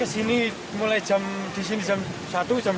kesini mulai jam disini jam satu jam dua